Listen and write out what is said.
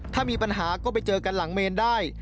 ถ้ามีปัญหาก็ไปเจอกันหลังเมนได้